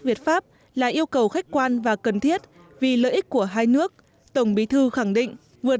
việt pháp là yêu cầu khách quan và cần thiết vì lợi ích của hai nước tổng bí thư khẳng định vượt